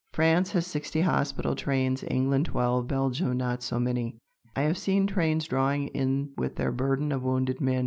France has sixty hospital trains, England twelve, Belgium not so many. I have seen trains drawing in with their burden of wounded men.